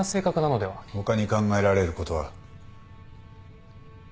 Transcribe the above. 他に考えられることは？